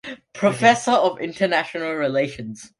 Professor of International Relations.